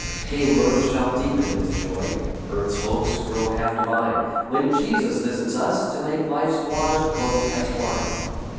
Gay mirth shall deepen into joy, Earth's hopes grow half divine, When Jesus visits us, to make Life's water glow as wine.